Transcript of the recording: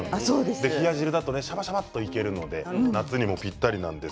冷や汁だとしゃばしゃばいけるので夏にぴったりです。